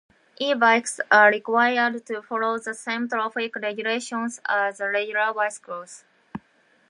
E-bikes are required to follow the same traffic regulations as regular bicycles.